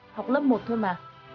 học lớp một thôi mà